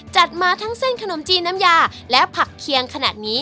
จัดมาทั้งเส้นขนมจีนน้ำยาและผักเคียงขนาดนี้